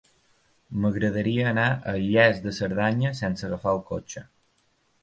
M'agradaria anar a Lles de Cerdanya sense agafar el cotxe.